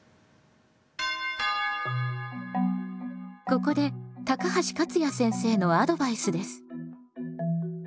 ここで高橋勝也先生のアドバイスです。